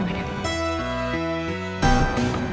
gak bisa kerja lagi